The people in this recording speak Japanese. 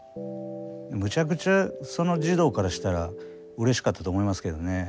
むちゃくちゃその児童からしたらうれしかったと思いますけどね。